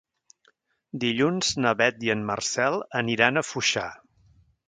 Dilluns na Beth i en Marcel aniran a Foixà.